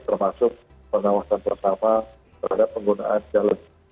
termasuk pengawasan pertama terhadap penggunaan jalan